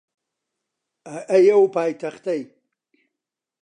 ئەی ئەو پایتەختەی